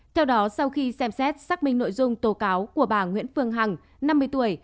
theo đó sau khi xem xét xác minh nội dung tố cáo của bà nguyễn phương hằng năm mươi tuổi